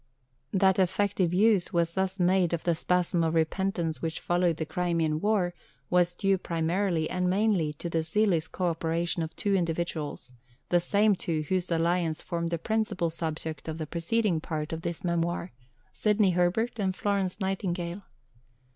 That effective use was thus made of the spasm of repentance which followed the Crimean War was due primarily and mainly to the zealous co operation of two individuals, the same two whose alliance formed a principal subject of the preceding Part of this Memoir Sidney Herbert and Florence Nightingale.